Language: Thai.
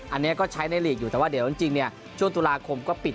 อันนี้ก็ใช้ในหลีกอยู่แต่ว่าเดี๋ยวจริงช่วงตุลาคมก็ปิด